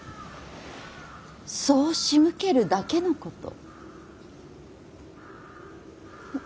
そうしむけるだけのこと。